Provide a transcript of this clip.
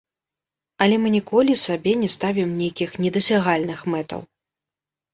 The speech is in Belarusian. Але мы ніколі сабе не ставім нейкіх недасягальных мэтаў.